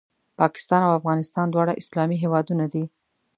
پاکستان او افغانستان دواړه اسلامي هېوادونه دي